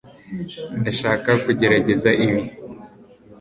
ndashaka kugerageza ibi